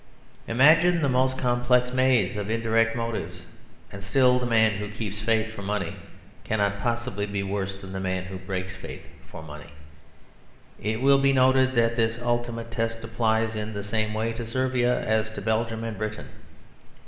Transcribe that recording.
Imagine the most complex maze of indirect motives; and still the man who keeps faith for money cannot possibly be worse than the man who breaks faith for money. It will be noted that this ultimate test applies in the same way to Servia as to Belgium and Britain.